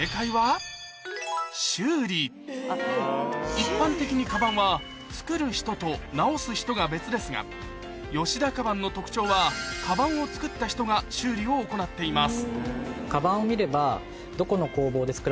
一般的にカバンは作る人と直す人が別ですが田カバンの特徴はカバンを作った人が修理を行っています